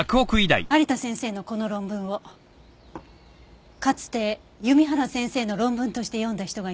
有田先生のこの論文をかつて弓原先生の論文として読んだ人がいます。